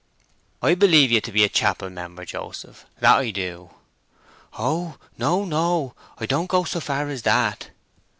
"I believe ye to be a chapelmember, Joseph. That I do." "Oh, no, no! I don't go so far as that."